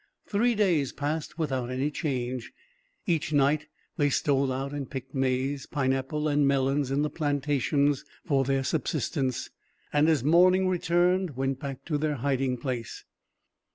Three days passed without any change. Each night they stole out and picked maize, pineapple, and melons in the plantations for their subsistence; and as morning returned, went back to their hiding place.